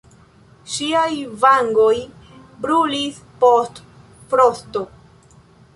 Ŝiaj vangoj brulis post frosto.